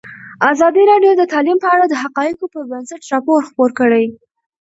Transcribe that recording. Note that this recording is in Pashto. ازادي راډیو د تعلیم په اړه د حقایقو پر بنسټ راپور خپور کړی.